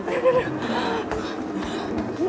aduh aduh aduh